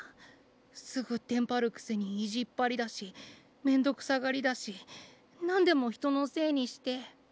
すぐテンパるくせにいじっぱりだしめんどくさがりだしなんでもひとのせいにして。